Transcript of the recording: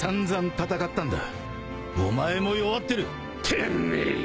てめえ。